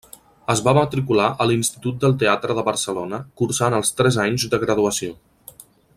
Es va matricular a l'Institut del Teatre de Barcelona cursant els tres anys de graduació.